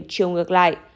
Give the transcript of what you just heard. chiều ngược lại